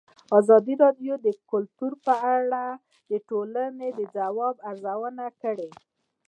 ازادي راډیو د کلتور په اړه د ټولنې د ځواب ارزونه کړې.